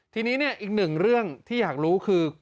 ทีนี้เนี่ยอีกหนึ่งเรื่องที่อยากรู้คือ